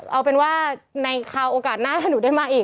เอาเป็นว่าในคราวโอกาสหน้าถ้าหนูได้มาอีก